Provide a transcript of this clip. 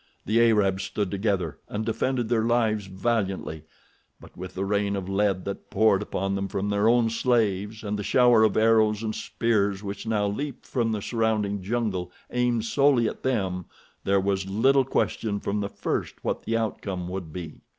The Arabs stood together, and defended their lives valiantly, but with the rain of lead that poured upon them from their own slaves, and the shower of arrows and spears which now leaped from the surrounding jungle aimed solely at them, there was little question from the first what the outcome would be.